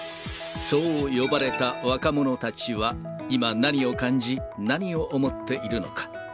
そう呼ばれた若者たちは、今何を感じ、何を思っているのか。